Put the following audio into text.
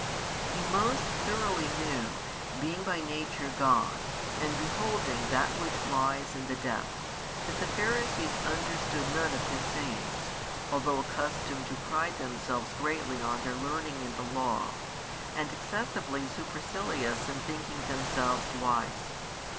He most thoroughly knew, being by nature God, and beholding that which lies in the depth, that the Pharisees understood none of His sayings, although accustomed to pride themselves greatly on their learning in the Law, and excessively supercilious in thinking themselves wise.